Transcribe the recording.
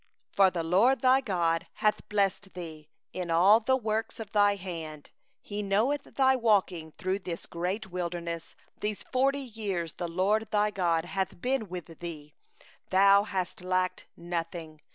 7For the LORD thy God hath blessed thee in all the work of thy hand; He hath known thy walking through this great wilderness; these forty years the LORD thy God hath been with thee; thou hast lacked nothing.